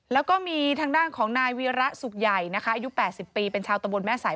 แล้วก็มีทางด้านของนายวีระสุขใหญ่นะคะอายุ๘๐ปีเป็นชาวตะบนแม่สาย